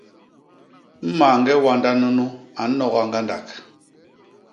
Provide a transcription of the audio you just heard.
Mañge wanda nunu a nnoga ñgandak.